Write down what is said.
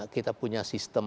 kita punya sistem